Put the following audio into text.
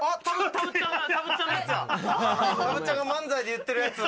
たぶっちゃんが漫才で言ってるやつ。